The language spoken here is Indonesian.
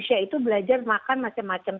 usia itu belajar makan macam macam